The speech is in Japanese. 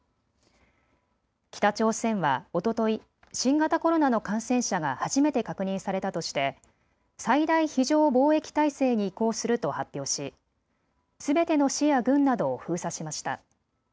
北朝鮮はおととい新型コロナの感染者が初めて確認されたとして最大非常防疫態勢に移行すると発表しすべての市や郡などを封鎖しました。